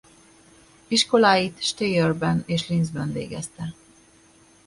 Iskoláit Steyrben és Linzben végezte.